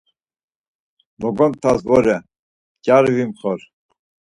Logontas vore, cari vimxor.